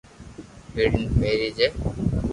ھيڙين پيري جي